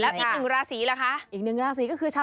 เป็นชาวราศีกัน